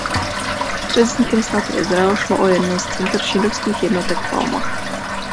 Před vznikem státu Izrael šlo o jedno z center židovských jednotek Palmach.